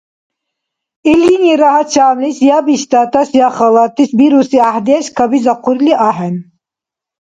Илинира гьачамлис я биштӀатас, я халатас бируси гӀяхӀдеш кабизахъурли ахӀен.